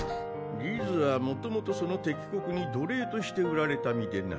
リズはもともとその敵国に奴隷として売られた身でな。